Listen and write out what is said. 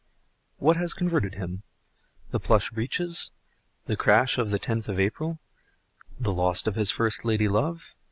What has converted him?—the plush breeches? the crash of the tenth of April? the loss of his first lady love?